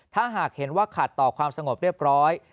ถ้าหากเห็นว่าขัดต่อความสงบเรียบร้อย